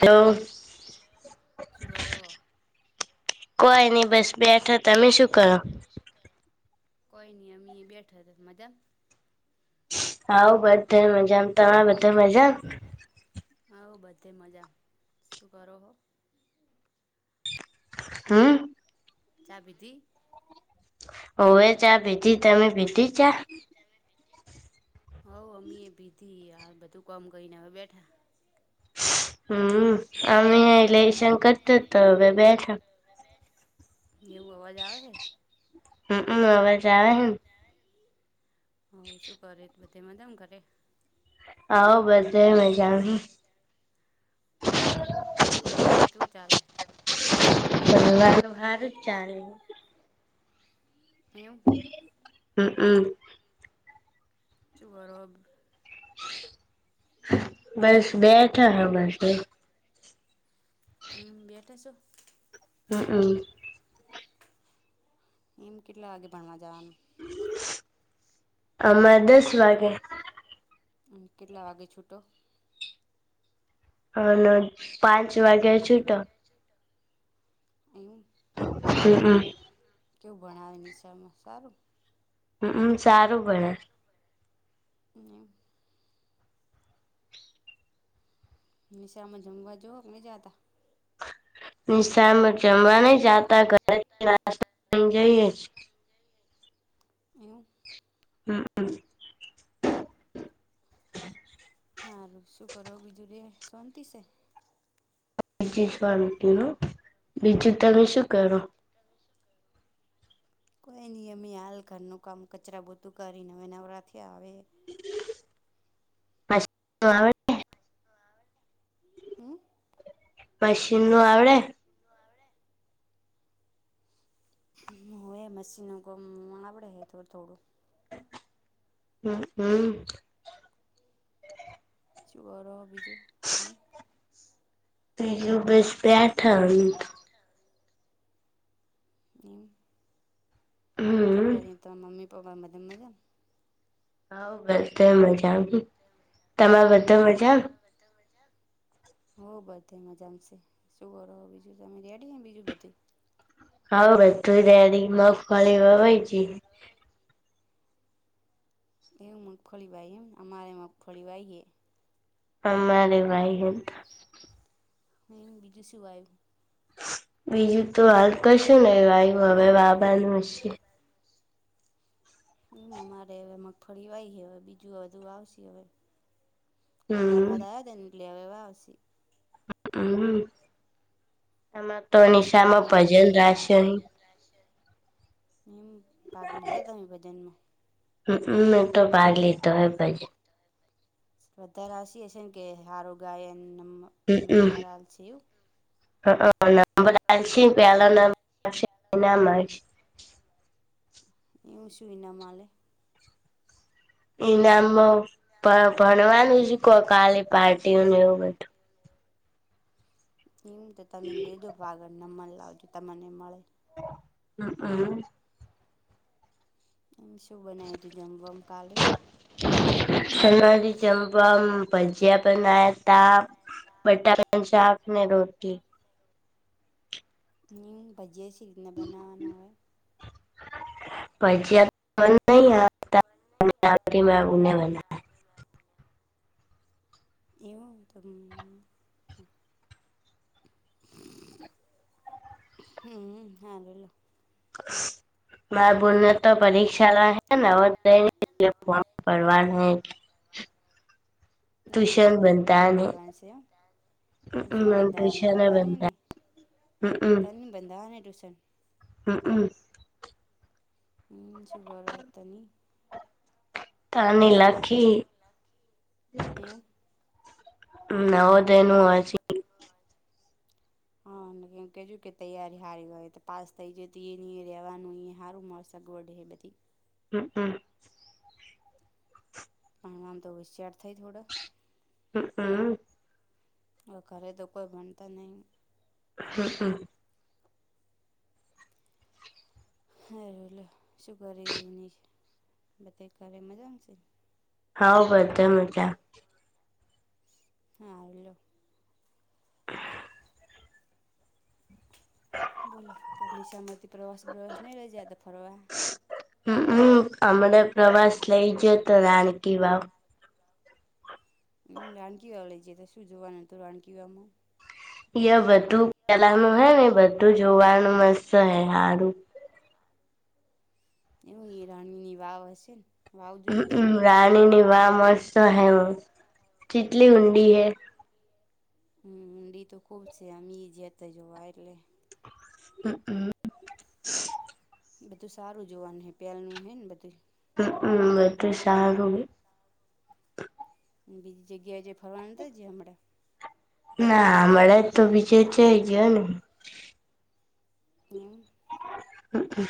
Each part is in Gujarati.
હલો હલો શું કરો હો કોઈ નઈ બસ બેઠો તમે શું કરો શુ કરો કોઈ નઈ અમ બેઠો હતો મજા હા બધ મજા ત બધા મજા હ બધે મજા શું કરો હો હમ ચા પીધી? ઓવે ચા પીધી, તમે પીધી ચા? હવ અમે એ પીધી, બધું કામ કરીને, હવે બેઠા. હમ, અમેં ઇલેશન કરતા તો, હવે બેઠો. એવું અવાજ આવે છે? હમ, અવાજ આવે હે ને. હ, શું કરે? બધે મજામાં ઘરે? હવ, બધાય મજામાં હૈ. ભણવાનું શું ચાલે? ભણવાનું હારૂ જ ચાલે. એવું. હમ, હમ. [unintelligible] બસ બેઠા. એમ બેઠા છો. હમ. કેમ? કેટલા વાગે ભણવા જવાનું? આમાં દસ વાગે. અને કેટલા વાગે છૂટો? અને પાંચ વાગ્યા છૂટા. એવું [inaudible] કેવું ભણાવે નિશાળમાં સારું. હમ્મ સારું સારું હમ. નિશાર માં જમવા જોહો કેની જતા? નિશા જમવા નઈ જાતા ઘરે જઈએ છ. એવું? હમ હ. હારું શું કરો બીજું રે શાંતિ શે? બીજી નું બીજું તમે શું કરો? કોઈ નિ યમી હાલ ઘરનું કામ કચરા પોતુ કરીને હવે નવરા થ્યા હવે. હ [unintelligible] હમ. મશીન નું આવડે? હુ એ મશીનનું કોમ આવડે હે થોડું થોડું. હમ હમ. શું કરો હો બીજું તમે? થયું બેસ [unintelligible] હઠા [unintelligible] એમ શુ કરે એ તમે મમ્મી પપ્પા બધા મજા? હા બધા મજામાં. તમે બધા મજામાં [unintelligible] હો બધે મજામાંશે, શું કર બીજું તમે રેડી બીજું બધું? હા બધું રેડી મગફળી વવાય છે. એવ મગફળી વાઈ એમ અમારે મગફળી વાઈ એ. અમારે વાઈ હે. મે બીજુ શું વાયુ. બીજું તો હાલ કશું નયું વાયુ હવે વાબાનું છે. એમાં મારે હવે મગફળી વાઈ હે હવે બીજું બધું વાવશે હવે. [unintelligible] હમ. હમ, શું બનાયુ? હ, ભાગ લીધો? તમે ભજનમાં. હ, હમ, એ તો ભાગ વધારે હસીએ છીએ કે, હારું ગાઈએ, અને હમ, હમ. હ નંબર પહેલા નં ના [unintelligible] એમા શું ઈનામ આલે? ઈનામમાં ભણવાનું જ ખાલી, પાટીયું ને, એવું બધું. એમ તો તમે લેજો ભાગ નંબર લાવજો, તમને મળે. હ, હમ. એમ શું બનાવી હતું, જમવામાં કાલે? સવારે જમવામાં ભજીયા બનાયાતા. બટાકાનુ શાક ને, રોટલી. ભાજીયા સી રીતના બનાવવાના હોય? પજી ન [unintelligible] એ આવત [unintelligible] હમ, હારુ લે. [unintelligible] માર બૂનને તો પરીક્ષા હાલે, હે હવે કેમ ફોમ ભરવાનુ હોય. એમ ફોમ ભરવાનુ છે એમ. ટયુશન બંધાવાનું હે, તને ને હમ, હમ. બંધાવાનું ને ટ્યુશન. હમ્મ અ. હમ્મ, છુ ભાવે તની? તારની લખી નવો દયનું વાચી દયનું વાચી હઅ, ને એન કેજો કે તૈયારી હારી કરે તો પાસ થઈ જય તો ઈયન ઈય રેવાનું ઈ હારું મળશે. સગવડ હે બધી. હમ્મ, હમ્મ. ભણવામ તો હોશિયાર થાય થોડા. હમ્મ, હમ્મ. હવ ઘરે તો કોઈ ભણતા નઈ. હમ્મઅ. હારુ લ્યો શું કરે ઈની? બધાય ઘરે મજામ શે? હવ, બધાય મજામ. હારુ લ્યો. [inaudible] બોલો, તો નિશાળમાંથી પ્રવાસ બવાસ નઈ લઈ જાતા ફરવા? હમઅ, અમણે પ્રવાસ લઈ ગયો તો રાણકી વાવ. રાણકીવાવ લઈ જયા તા. શું જોવાનું હતું રાણકીવાવમાં? તીય બધું પહેલાનું હેને બધું જોવાનું મસ્ત હે હારું. ઈય રાણીની વાવ હશેન? હમઅ, રાણીની વાવ મસ્ત હે કેટલી ઊંડી હે. હમ, ઊંડી તો ખુબ છે અમીય જયા તા જોવા એટલે. હમ અ. એ બધું સારું જોવાનું હે, પેલાનુ હેન બધુંય. હમઅ, બધુ સારું હે. બીજી જગ્યાએ જે ફરવા નતા જ્યાં માટે. ના. અમણા તો બીજે ચઈ જ્યો નહિ. [unintelligible] હમ અ.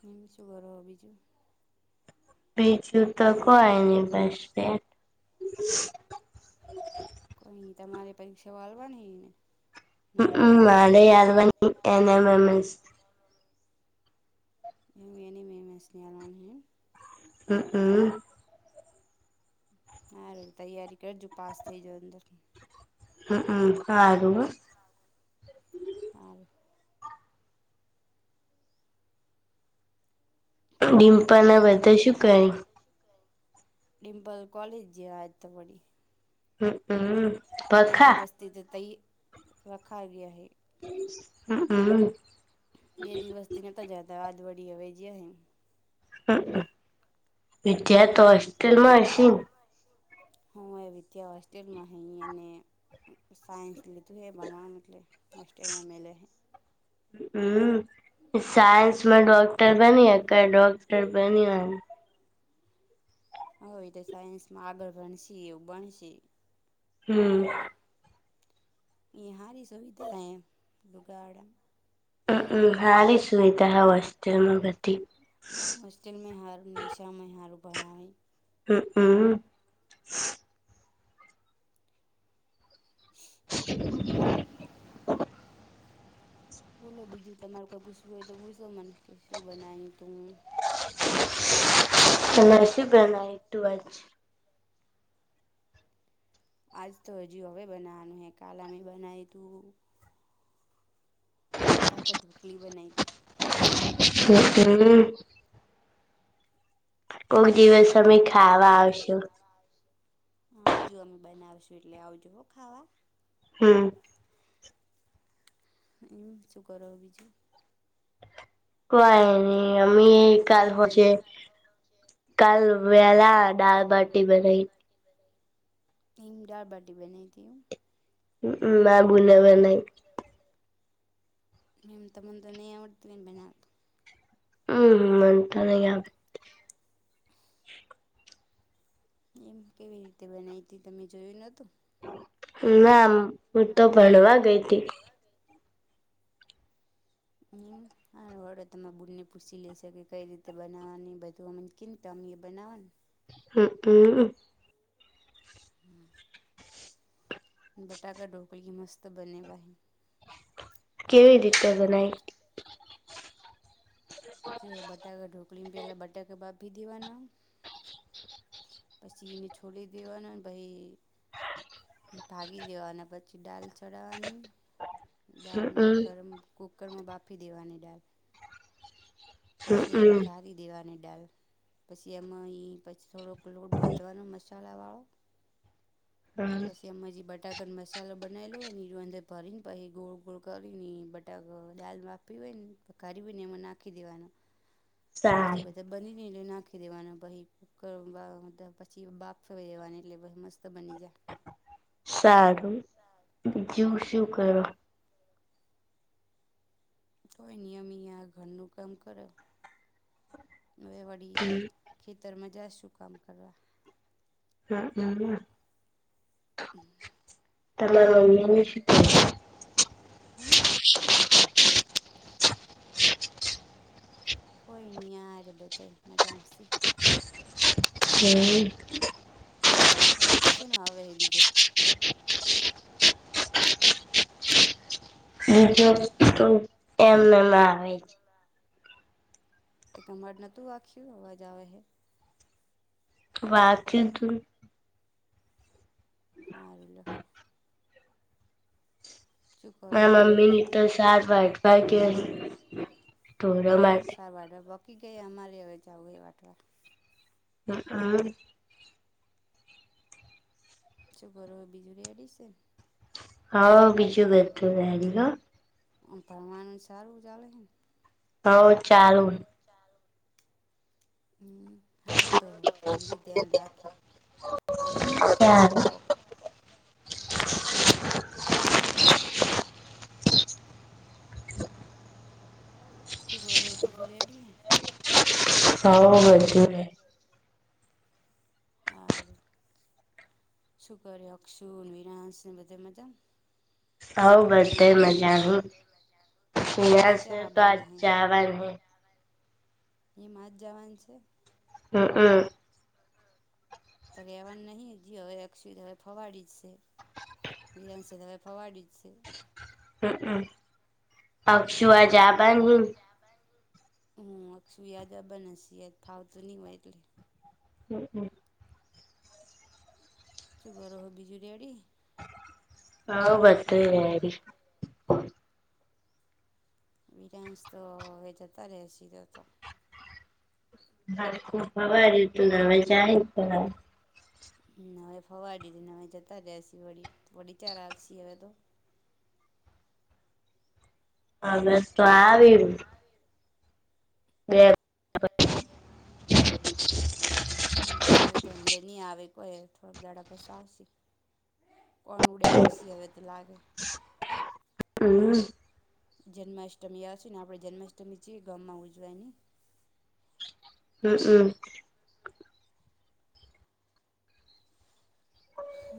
હમ. શું કરો હો બીજું? બીજું તો કોય ની બસ સ્ટેન્ડ કોઈ તમારે પરીક્ષાઓ આલવાની હે? હમ ઉ, મારેય આલવાની એનએમએમએસ. એનીએમએમએસની આલવાની હે એમ. હમ અ. હારુ, તો તૈયારી કરજો પાસ થઈ જાવ અંદર. હમ અ. હારું હો. હારુ હો. હારુ. ડિમ્પલ ન બધા શું કરી? ડિમ્પલ તો કોલેજ જ્યાં આજ તો વળી. હમ અ. કથા? તે તો તઈ, રખાઈવી અહે. હમ અ. બે દિવસથી નતા જતા, આજ વડી હવે જયા હે. હમ. વિધ્યા તો જ વિદ્યા તો હોસ્ટેલ માં હશેને? હું ને વિદ્યા હોસ્ટેલમાં હે અહીયા ને, હમ. સાયન્સ લીધું હે ભણવામાં એટલે, હોસ્ટેલમાં મેલ્યા હે. હમ. સાયન્સમાં ડોક્ટર બન્યા કે ડોક્ટર બન્યા. હોય તો સાયન્સમાં આગળ ભણશે, એવું બનશે. હમ. ઈ હારી સુવિધા હૈ અયા. લુગાડામાં. હમમ, હારી સુવિધા હે હોસ્ટેલમાં બધી. તેમેય હારું ને, નિશાળમાં યે હારું ભણાવે. હમ હમ. [unintelligible] [unintelligible] બોલો બીજું તમારે કઈ પૂછવું હોય તો પુછો મન કે, શું બનાયુ તુ. તમારે શું બનાયુતું આજ? આજ તો હજુ હવે બનાવાનું હે. કાલ અમે બનાયુ તું, બટાકા ઢોકળી બનાઈ તી. [unintelligible] કોઈ દિવસ અમે ખાવા આવશું. હા આવજો. અમે બનાવીશું એટલે આવજો હો ખાવા. હમ. હમ. શું કરો અવે બીજું? કઈ ની. અમે કાલ હોજે કાલ વેહલા દાળબાટી બનાઇ. ઇમ, દાળબાટી બનાઇતી એમ! હમ. માર બુન એ બનાઈ. ના બનાઇ. મેંમ તમન તો નહી આવડતું હોયને બના હમ, મન તો નહીં આવડ એમ કેવી રીતે બનાઇ તી, તમે જોયું ન તું? ના. હું તો ભણવા ગઈ તી. હમમ હા વડો તમારા બુનને પૂછી લેશે કે કઈ રીતે બનાવવાની એ બધું અમને. કે ને તો અમે એ બનાવવા ને હમ હમ હમ બટાકા ઢોકલી મસ્ત બનાવ્યા હે કેવી રીતે બનાઇ હા જે બટાકા ઢોકળી માં પેહલા બટાકા બાપ આપી દેવાનું પછી એને છોડી દેવાનું પાઈ [inaudible] ભાગી દેવા ના પછી દાલ ચઢાવવાની દાલ ગરમ કુકરમાં બાફી દેવાની દાળ પછી એ વઘારી દેવાની દાળ પછી એમાં ઈ પછી થોડોક લોટ બાંધવાનો મસ મસાલા વાળો પછી એમાં જે બટાકા મસાલો બનાયેલો હોય ને એ યો અંદર ભરીને પછી ગોળ ગોળ કરીને બટાકા દાળ માપી હોય ને પકારી બીને, એમાં નાખી દેવાનું, બસ બધા બનીને, એટલે નાખી દેવાનું, ભછ કૂકર પછી, બાફ ફેરી દેવાની, એટલે મસ્ત બની જાય. સારું, જુ શું કરો? કોઈ નિયમ આ ઘરનું કામ કરે, હવે વાળી. ખેતરમાં જશું કામ કરવા. હા હ તલા [unintelligible] હમ. હોની આ બધ મજામાં છે. હમ. હ જ છે ને, હવે બીજો [unintelligible] બીજો એમનેમાં આવે છે. તે કમરળ નોતુંખ્યું અવાજ આવે હે. વાખંતું. હારુ. શું કરો? બીજું શાંતિ. એવું સારું, વાટવા બાકી ગયા, અમારે હવે જવું એ વાટવા. હ, હ. શ કરર હોય બીજું ર એડિસન [unintelligible] હા, બીજું બ પરમાણુ સારું ઉજાલૈને. હ, ચાલું. હમ. હારું, તો આગળ ધ્યાન રાખી, આગળ નોકરી લો. શું કરો? બીજું રેડી છે. સજને [unintelligible] આર સુક, અક્ષુન, વિરાશ એ બધા મજા. હ, બધે મજા. હ ક ચાવલ હ. એમાં જ જવાનું છે. હમ, હમ. તરે એવાનું નહી, જે હવે એક્સિ હવે ફવાડી જશે. બરિયાની સ દવા ફવાડી છે. હમમ, પક્ષુ આ જબ હ. હ, વાક શયાદબ નથી છે, એભાવતની વાટલી. હમ, હમ. ચુંગર હો, બીજુરીયાડી. હ, બધાય. બિરયાનીસ તો વે જતા રહે, સીધો તો. હા, ખૂબ હવા ર તું નવેજ આ. હમ, હવે ફવા દીધીને, હવે જતા જસી વળ વડી ચાર આવસી હવે તો. હ, બે તો આ આવી. બ [unintelligible] એર. હમ, હવે તો હમણાં નહી આવે, કોઈ થોડક દાડા બસ આવશે. કોન ઉડે હસી, હવે તો લાગે. હમ્મ. જન્માષ્ટમી આવશે ને આપણે જન્માષ્ટમી ચીએ ગામમાં ઉજવાયની હમ્મ હમ્મ. હા જી